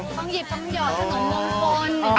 ต้องหยิบต้องหยอดขนมมือคน